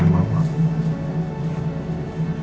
dan bantuin mama